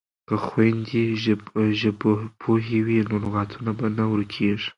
که خویندې ژبپوهې وي نو لغاتونه به نه ورکیږي.